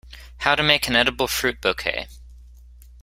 How to make an edible fruit bouquet.